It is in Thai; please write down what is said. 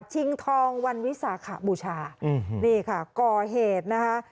ชิงทองวันวิสาขบูชานี่ค่ะก่อเหตุนะคะ